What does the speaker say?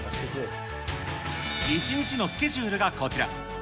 １日のスケジュールがこちら。